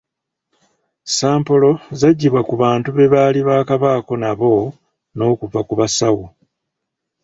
Sampolo zaggyibwa ku bantu be baali baakabaako nabo n'okuva ku basawo.